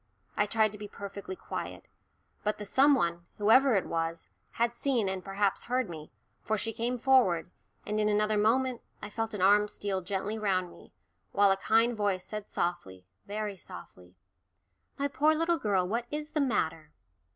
I tried to be perfectly quiet. But the some one, whoever it was, had seen and perhaps heard me, for she came forward, and in another moment I felt an arm steal gently round me, while a kind voice said softly, very softly, "My poor little girl, what is the matter?"